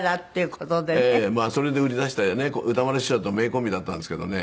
それで売り出してね歌丸師匠と名コンビだったんですけどね